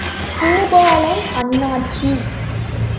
Boopalan Annachi!